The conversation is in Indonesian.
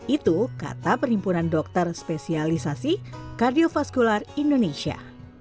itu kata perhimpunan dokter spesialisasi kardiofaskular indonesia